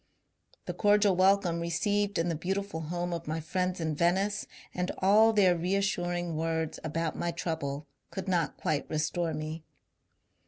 The cordial welcome received in the beautiful home of my friends in Venice, and all their reassuring words about my trouble, could not quite restore me.